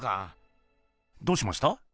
どうしました？